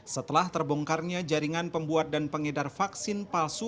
setelah terbongkarnya jaringan pembuat dan pengedar vaksin palsu